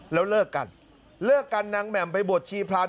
แล้วเลิกกันเลิกกันนางแหม่มไปบวชชีพราม